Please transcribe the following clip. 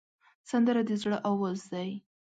سندره د زړه آواز دی